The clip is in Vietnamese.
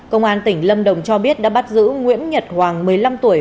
công an tỉnh lâm đồng cho biết đã bắt giữ nguyễn nhật hoàng một mươi năm tuổi